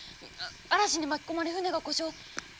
嵐に巻き込まれ船が故障。